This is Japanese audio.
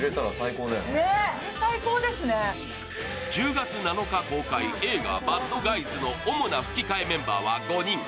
１０月７日公開、映画「バッドガイズ」の主な吹き替えメンバーは５人。